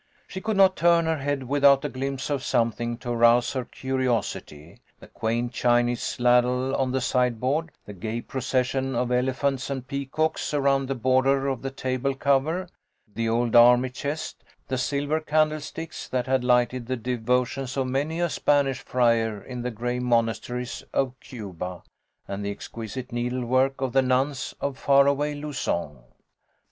She could not turn her head without a 172 THE LITTLE COLONEL'S HOLIDAYS. glimpse of something to arouse her curiosity, the quaint Chinese ladle on the sideboard, the gay pro cession of elephants and peacocks around the border of the table cover, the old army chest, the silver candlesticks that had lighted the devotions of many a Spanish friar in the gray monasteries of Cuba, and the exquisite needlework of the nuns of far away Luzon.